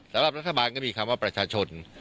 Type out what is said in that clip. สำหรับรัฐบาลก็มีคำว่าประชาชน